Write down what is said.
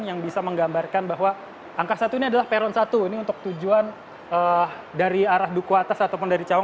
yang bisa menggambarkan bahwa angka satu ini adalah peron satu ini untuk tujuan dari arah duku atas ataupun dari cawang